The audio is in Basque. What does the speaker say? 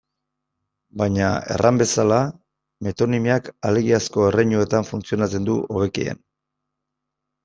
Baina, erran bezala, metonimiak alegiazko erreinuetan funtzionatzen du hobekien.